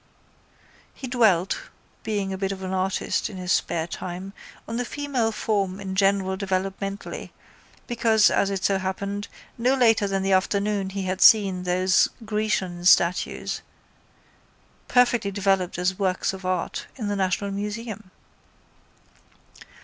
He dwelt, being a bit of an artist in his spare time, on the female form in general developmentally because, as it so happened, no later than that afternoon he had seen those Grecian statues, perfectly developed as works of art, in the National Museum.